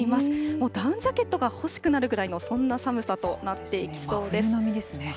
もうダウンジャケットがほしくなるぐらいの、そんな寒さとな真冬並みですね。